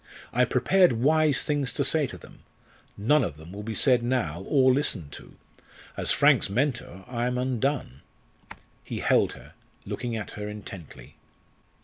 I prepared wise things to say to them. None of them will be said now, or listened to. As Frank's mentor I am undone." He held her, looking at her intently.